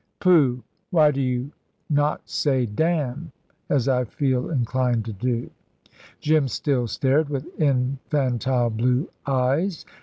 "Pooh! Why do you not say damn, as I feel inclined to do?" Jim still stared with infantile blue eyes.